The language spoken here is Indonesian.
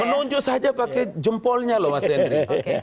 menunjuk saja pakai jempolnya loh mas henry